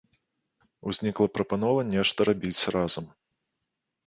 Узнікла прапанова нешта рабіць разам.